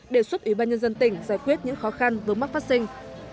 đề xuất ủy ban nhân dân tỉnh giải quyết những khó khăn vướng mắc phát sinh